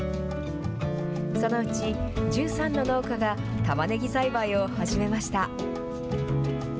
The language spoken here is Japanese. そのうち１３の農家が、たまねぎ栽培を始めました。